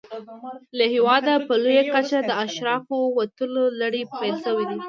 له هېواده په لویه کچه د اشرافو وتلو لړۍ پیل شوې وه.